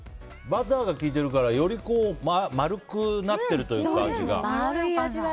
バターが効いてるからより丸くなってるというか、味が。